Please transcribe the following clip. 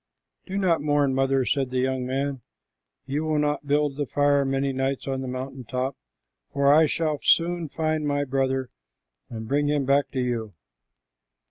"Do not mourn, mother," said the young man. "You will not build the fire many nights on the mountain top, for I shall soon find my brother and bring him back to you."